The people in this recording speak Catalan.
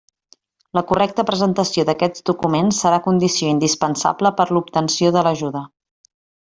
La correcta presentació d'aquests documents serà condició indispensable per a l'obtenció de l'ajuda.